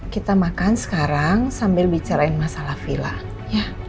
kita makan sekarang sambil bicarain masalah villa ya